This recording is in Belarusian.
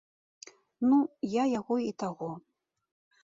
Ну, я яго і таго.